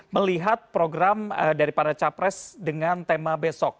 melihat program dari para capres dengan tema besok